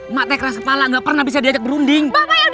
emak teh keras kepala gak pernah bisa diajak berunding